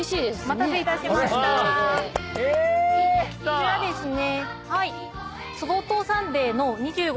こちらですね。